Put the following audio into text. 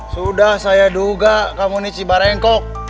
sudah saya duga kamu ini cibarengkok